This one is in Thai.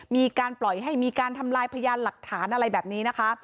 มีการปล่อยให้มีการทำลายพยานหลักฐานอะไรแบบนี้นะคะ